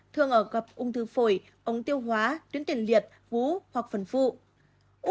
thường ở gặp ung thư phổi ống tiêu hóa tuyến tiền liệt gú hoặc phần phụ